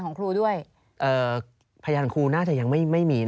ของครูด้วยเออ